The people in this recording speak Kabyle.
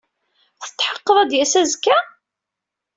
Tetḥeqqeḍ ad d-yas azekka?